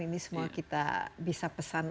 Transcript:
ini semua kita bisa pesan